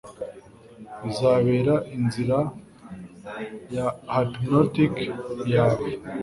bizabera inzira ya hypnotic yawe